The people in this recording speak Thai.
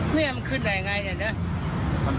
นี่มันขึ้นไหนไงเยอะนี่